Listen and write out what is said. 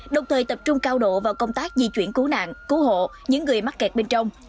đồng thời tập trung cao độ vào công tác di chuyển cứu nạn cứu hộ những người mắc kẹt bên trong